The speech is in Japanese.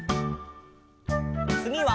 つぎは。